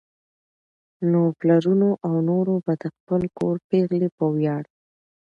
نو پلرونو او نورو به د خپل کور پېغلې په وياړ